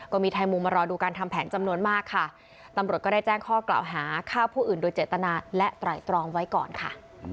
ก็มีไทยมุมมารอดูการทำแผนจำนวนมากค่ะตำรวจก็ได้แจ้งข้อกล่าวหาฆ่าผู้อื่นโดยเจตนาและไตรตรองไว้ก่อนค่ะ